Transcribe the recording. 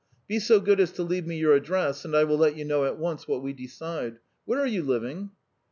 Be so good as to leave me your address and I will let you know at once what we decide. Where are you living?"